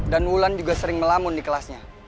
dan wulan juga sering melamun di kelasnya